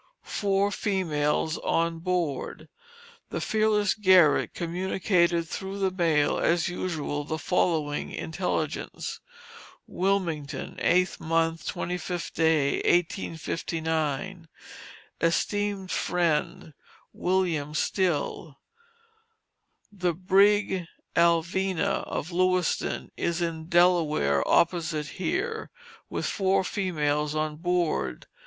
FOUR FEMALES ON BOARD. The fearless Garrett communicated through the mail, as usual, the following intelligence: WILMINGTON, 8th mo. 25th, 1859. ESTEEMED FRIEND, WM. STILL: The brig Alvena, of Lewistown, is in the Delaware opposite here, with four females on board.